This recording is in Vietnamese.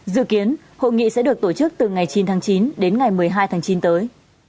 dự kiến hội nghị sẽ được tổ chức từ ngày chín tháng chín đến ngày một mươi hai tháng chín tới